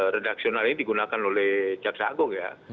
redaksional ini digunakan oleh caksagong ya